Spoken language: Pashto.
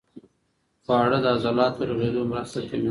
خواړه د عضلاتو رغېدو مرسته کوي.